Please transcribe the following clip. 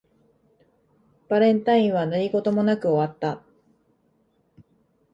バレンタインは何事もなく終わった